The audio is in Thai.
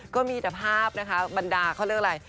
ก็มีแต่ภาพนะคะบรรดาเขาเรียกอะไร